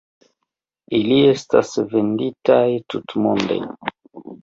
Ili estas venditaj tutmonde.